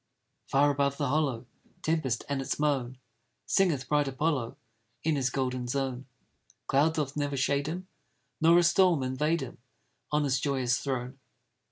Far above the hollow Tempest, and its moan, Singeth bright Apollo In his golden zone, Cloud doth never shade him, Nor a storm invade him, On his joyous throne.